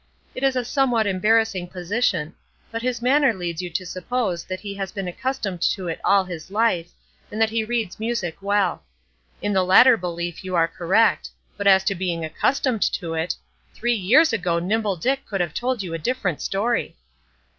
It is a somewhat embarrassing position; but his manner leads you to suppose that he has been accustomed to it all his life, and that he reads music well. In the latter belief you are correct; but as to being accustomed to it three years ago Nimble Dick could have told you a different story!